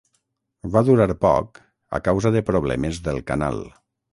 Va durar poc a causa de problemes del canal.